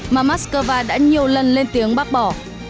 mà moscow đã nhiều lần lên tiếng bác bỏ